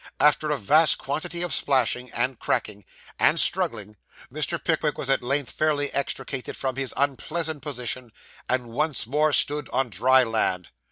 After a vast quantity of splashing, and cracking, and struggling, Mr. Pickwick was at length fairly extricated from his unpleasant position, and once more stood on dry land.